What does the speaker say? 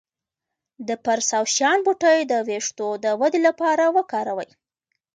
د پرسیاوشان بوټی د ویښتو د ودې لپاره وکاروئ